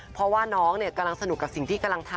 เพราะว่าน้องกำลังสนุกกับสิ่งที่กำลังทำ